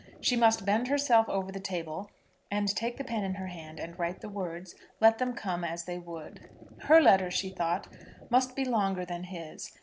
She must bend herself over the table, and take the pen in her hand, and write the words, let them come as they would. Her letter, she thought, must be longer than his.